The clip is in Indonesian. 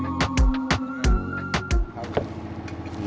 ini sangat mudah